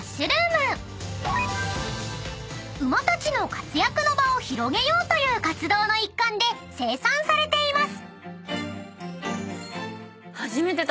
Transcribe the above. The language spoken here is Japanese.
［馬たちの活躍の場を広げようという活動の一環で生産されています］